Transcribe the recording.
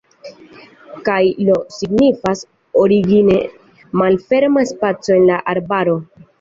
Kaj "Lo" signifas origine malferma spaco en la arbaro.